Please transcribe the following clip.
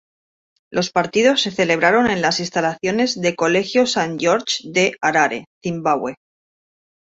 Los partidos se celebraron en las instalaciones de Colegio St George de Harare, Zimbabue.